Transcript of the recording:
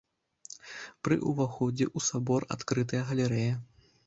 Пры ўваходзе ў сабор адкрытая галерэя.